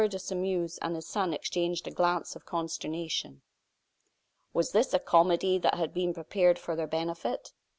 de Sairmeuse and his son exchanged a glance of consternation. Was this a comedy that had been prepared for their benefit?